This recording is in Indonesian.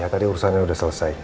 tadi urusannya udah selesai